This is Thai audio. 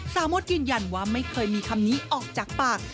มดยืนยันว่าไม่เคยมีคำนี้ออกจากปาก